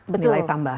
harus ada nilai tambah